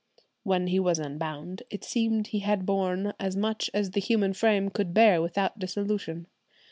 When he was unbound it seemed he had borne as much as the human frame could bear without dissolution.